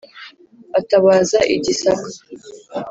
atabaza i gisaka.